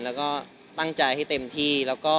แล้วก็ตั้งใจให้เต็มที่